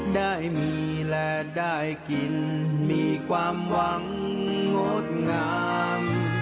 ได้มีและได้กินมีความหวังงดงาม